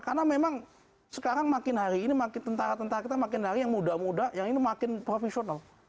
karena memang sekarang makin hari ini tentara tentara kita makin hari yang muda muda yang ini makin profesional